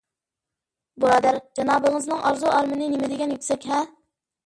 بۇرادەر، جانابىڭىزنىڭ ئارزۇ - ئارمىنى نېمىدېگەن يۈكسەك - ھە!